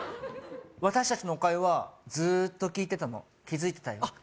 私達の会話ずっと聞いてたの気づいてたよ